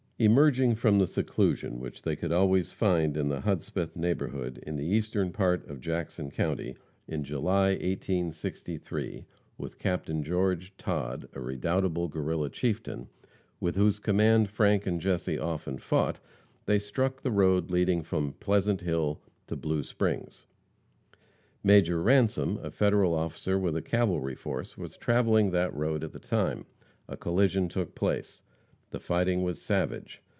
Emerging from the seclusion which they could always find in the Hudspeth neighborhood, in the eastern part of Jackson county, in July, 1863, with Captain George Todd, a redoubtable Guerrilla chieftain, with whose command Frank and Jesse often fought, they struck the road leading from Pleasant Hill to Blue Springs. Major Ransom, a Federal officer with a cavalry force, was traveling that road at the time. A collision took place. The fighting was savage.